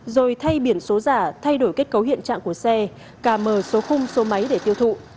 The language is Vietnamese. rồi thay biển số giả thay đổi kết cấu hiện trạng của xe cà mờ số khung số máy để tiêu thụ